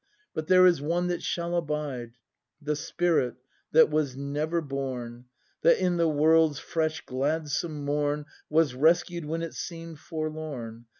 But there is one that shall abide;— The Spirit, that was never born. That in the world's fresh gladsome Morn Was rescued when it seem'd forlorn.